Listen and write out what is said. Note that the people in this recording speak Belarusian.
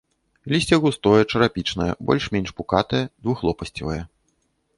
Лісце густое, чарапічнае, больш-менш пукатае, двухлопасцевае.